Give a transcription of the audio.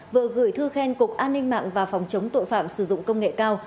vừa gửi thư khen cục an ninh mạng và phòng chống tội phạm sử dụng công nghệ cao